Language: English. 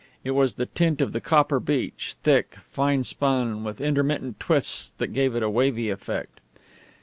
It was the tint of the copper beech, thick, finespun, with intermittent twists that gave it a wavy effect.